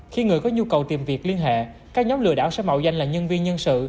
khi người có nhu cầu tìm việc liên hệ các nhóm lừa đảo sẽ mạo danh là nhân viên nhân sự